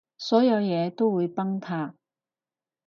所有嘢都會崩塌